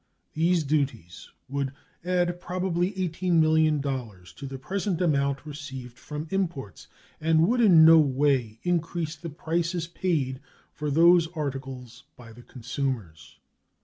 These duties would add probably $18,000,000 to the present amount received from imports, and would in no way increase the prices paid for those articles by the consumers.